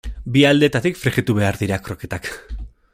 Bi aldeetatik frijitu behar dira kroketak.